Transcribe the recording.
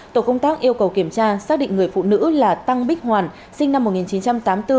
tổ công tác yêu cầu kiểm tra xác định người phụ nữ là tăng bích hoàn sinh năm một nghìn chín trăm tám mươi bốn